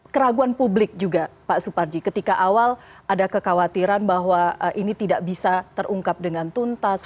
keraguan publik juga pak suparji ketika awal ada kekhawatiran bahwa ini tidak bisa terungkap dengan tuntas